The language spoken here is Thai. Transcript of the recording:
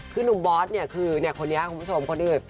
คือหนุ่มบอสเนี่ยคือคนนี้คุณผู้ชมคนอื่น